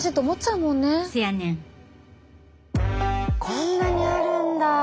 こんなにあるんだ。